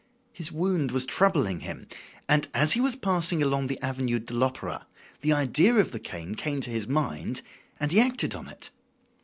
His wound was troubling him and, as he was passing along the Avenue de l'Opera, the idea of the cane came to his mind and he acted on it.